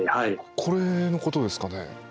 これのことですかね？